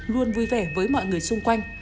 luôn vui vẻ với mọi người xung quanh